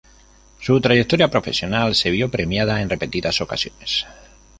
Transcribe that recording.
Su trayectoria profesional se vio premiada en repetidas ocasiones.